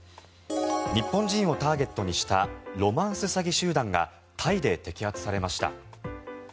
日本人をターゲットにしたロマンス詐欺集団がタイで摘発されました。